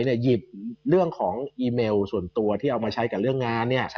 หยิบเรื่องของอีเมลส่วนตัวที่เอามาใช้กับเรื่องงาน